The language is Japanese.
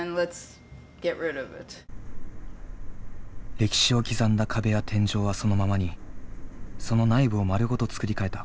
歴史を刻んだ壁や天井はそのままにその内部を丸ごと作り替えた。